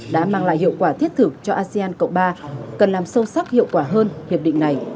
đã mang lại hiệu quả thiết thực cho asean cộng ba cần làm sâu sắc hiệu quả hơn hiệp định này